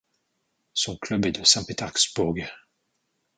Son club est de Saint-Pétersbourg.